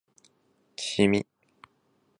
君